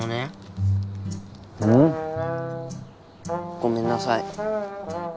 ごめんなさい。